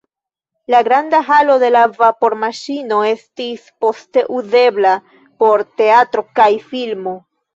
La granda halo de la vapormaŝino estis poste uzebla por teatro kaj filmo.